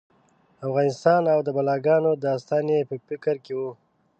افغانستان او د بلاګانو داستان یې په فکر کې و.